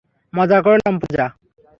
মজা করলাম, - পূজা।